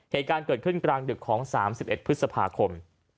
เหตุการณ์เกิดขึ้นกลางดึกของ๓๑พฤษภาคม